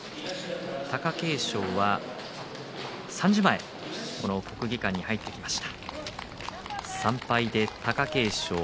貴景勝は３時前国技館に入ってきました。